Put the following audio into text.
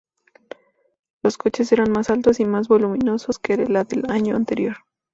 Los coches eran más altos y más voluminoso que la del año anterior.